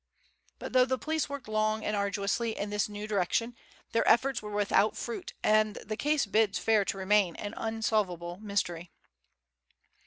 But though the police worked long and arduously in this new direction their efforts were without fruit and the case bids fair to remain an unsolvable mystery.